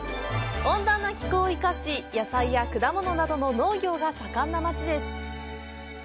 温暖な気候を生かし野菜や果物などの農業が盛んな町です。